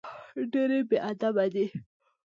ډېر بېادبه دی.